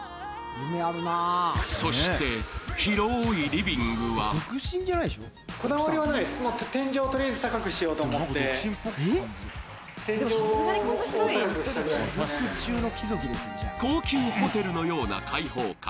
そして広いリビングは高級ホテルのような開放感。